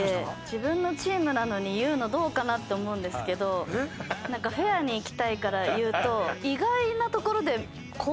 自分のチームなのに言うのどうかなって思うんですけどなんかフェアにいきたいから言うと。